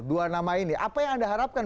dua nama ini apa yang anda harapkan